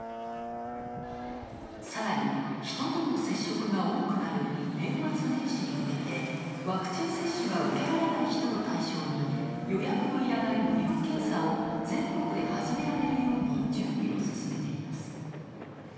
さらに、人との接触が多くなる年末年始に向けてワクチン接種が受けられない人を対象に予約のいらない無料検査を全国で始められるように準備を進めています。